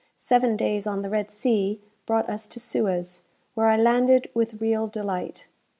Seven days on the Red Sea brought us to Suez, where I landed with real delight.